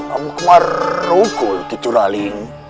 amuk marukul kecuali